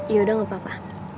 yaudah gak apa apa